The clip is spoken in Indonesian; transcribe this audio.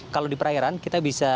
kalau di perairan kita bisa